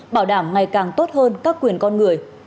bảo đảm ngày càng tốt hơn các quyền con người